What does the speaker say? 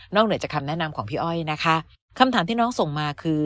เหนือจากคำแนะนำของพี่อ้อยนะคะคำถามที่น้องส่งมาคือ